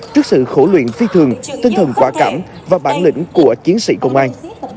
trước sự khổ luyện phi thường tinh thần quả cảm và bản lĩnh của chiến sĩ công an